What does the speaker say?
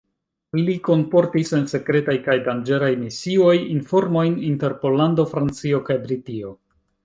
Li kunportis en sekretaj kaj danĝeraj misioj informojn inter Pollando, Francio kaj Britio.